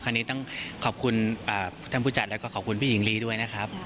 นี้ต้องขอบคุณท่านผู้จัดแล้วก็ขอบคุณพี่หญิงลีด้วยนะครับ